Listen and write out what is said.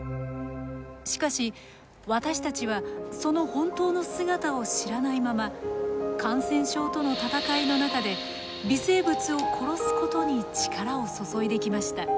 しかし私たちはその本当の姿を知らないまま感染症との戦いの中で微生物を殺すことに力を注いできました。